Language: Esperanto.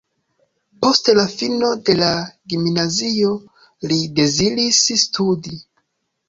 Post la fino de la gimnazio li deziris studi.